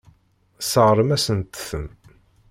Tesseṛɣem-asent-ten.